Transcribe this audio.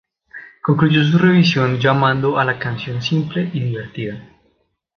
Concluyó su revisión llamando a la canción "simple y divertida".